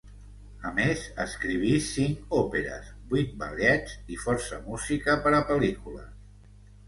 A més, escriví cinc òperes, vuit ballets i força música per a pel·lícules.